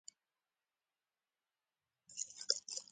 د دې احکامو اجرا ضمانت په حکومتي نظام پورې ده.